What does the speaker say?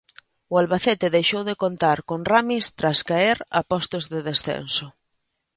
O Albacete deixou de contar con Ramis tras caer a postos de descenso.